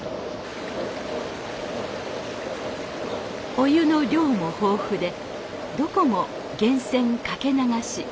お湯の量も豊富でどこも源泉かけ流し。